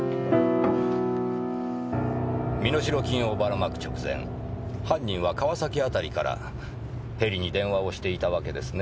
身代金をバラ撒く直前犯人は川崎辺りからヘリに電話をしていたわけですね。